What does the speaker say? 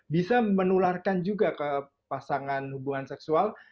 bisa menularkan juga ke pasangan hubungan seksual